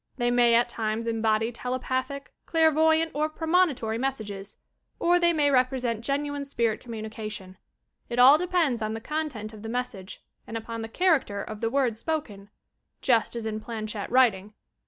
They may at times body telepathic, clairvoyant or premonitory messages, or they may represent genuine spirit communicatiou, It all depends on the content of the message, and upon the character of the word spoken, just as in Planchette Writing.